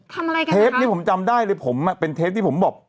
ทำอะไรกันเทปนี้ผมจำได้เลยผมอ่ะเป็นเทปที่ผมบอก